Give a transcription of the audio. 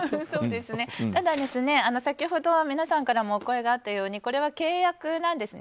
ただ、先ほど皆さんからもお声があったようにこれは契約なんですね。